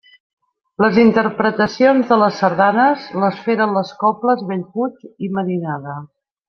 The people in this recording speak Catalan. Les interpretacions de les sardanes les feren les cobles Bellpuig i Marinada.